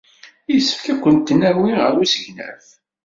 Yessefk ad kent-nawi ɣer usegnaf.